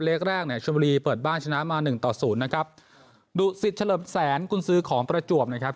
แรกเนี่ยชมบุรีเปิดบ้านชนะมาหนึ่งต่อศูนย์นะครับดุสิตเฉลิมแสนกุญซื้อของประจวบนะครับ